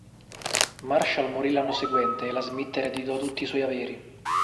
Marshall morì l'anno seguente e la Smith ereditò tutti i suoi averi.